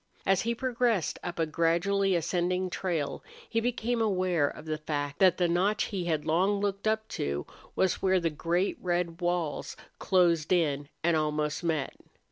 As he progressed up a gradually ascending trail he became aware of the fact that the notch he had long looked up to was where the great red walls closed in and almost met.